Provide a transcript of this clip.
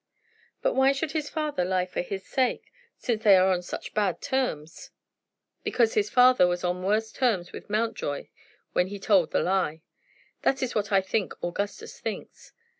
"But why should his father lie for his sake, since they are on such bad terms?" "Because his father was on worse terms with Mountjoy when he told the lie. That is what I think Augustus thinks.